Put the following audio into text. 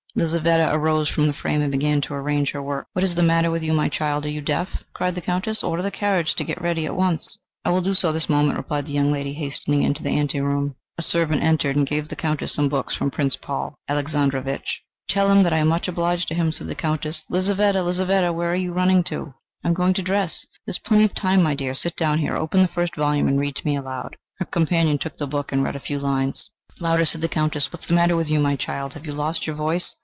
Lizaveta arose from the frame and began to arrange her work. "What is the matter with you, my child, are you deaf?" cried the Countess. "Order the carriage to be got ready at once." "I will do so this moment," replied the young lady, hastening into the ante room. A servant entered and gave the Countess some books from Prince Paul Aleksandrovich. "Tell him that I am much obliged to him," said the Countess. "Lizaveta! Lizaveta! Where are you running to?" "I am going to dress." "There is plenty of time, my dear. Sit down here. Open the first volume and read to me aloud." Her companion took the book and read a few lines. "Louder," said the Countess. "What is the matter with you, my child? Have you lost your voice?